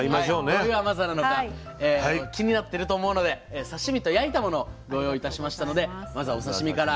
どういう甘さなのか気になってると思うので刺身と焼いたものご用意いたしましたのでまずはお刺身から。